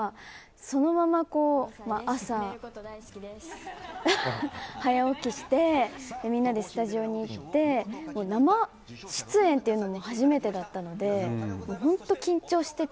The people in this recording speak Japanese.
そのまま朝、早起きしてみんなでスタジオに行って生出演というのも初めてだったので本当に緊張してて。